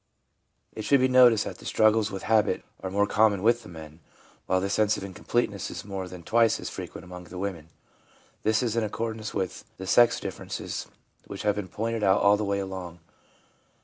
It should be noticed that the struggles with habit are more common with the men, while the sense of incompleteness is more than twice as frequent among the women. This is in accordance with the sex differ ences which have been pointed out all the way along.